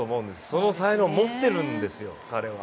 その才能持ってるんですよ、彼は。